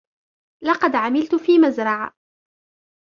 لقد عملت في مزرعة.